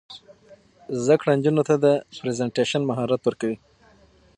زده کړه نجونو ته د پریزنټیشن مهارت ورکوي.